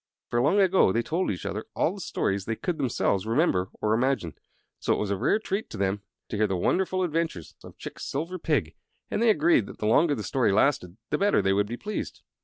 For, long ago, they had told each other all the stories they could themselves remember or imagine; so that it was a rare treat to them to hear of the wonderful adventures of Chick's Silver Pig, and they agreed that the longer the story lasted the better they would be pleased.